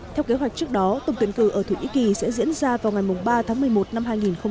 theo kế hoạch trước đó tổng tuyển cử ở thổ nhĩ kỳ sẽ diễn ra vào ngày ba tháng một mươi một năm hai nghìn hai mươi